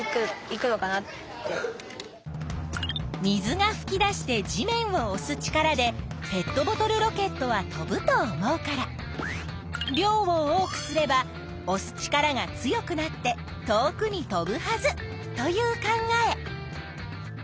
「水がふき出して地面をおす力でペットボトルロケットは飛ぶと思うから量を多くすればおす力が強くなって遠くに飛ぶはず」という考え。